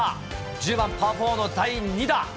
１０番パー４の第２打。